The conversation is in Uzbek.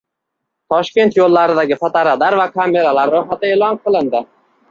Toshkent yo‘llaridagi fotoradar va kameralar ro‘yxati e'lon qilindi